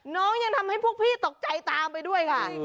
ยังทำให้พวกพี่ตกใจตามไปด้วยค่ะ